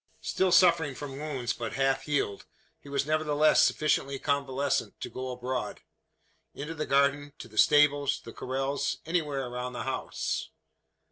Still suffering from wounds but half healed, he was nevertheless sufficiently convalescent to go abroad into the garden, to the stables, the corrals anywhere around the house.